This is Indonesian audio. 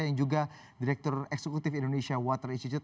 yang bodoh nurut yang pintar ngajak